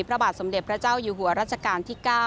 พระบาทสมเด็จพระเจ้าอยู่หัวรัชกาลที่๙